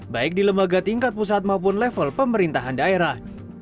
baik di lembaga tingkat pusat maupun level pemerintahan daerah